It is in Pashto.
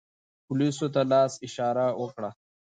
پولیس ورته لاس اشاره و کړه.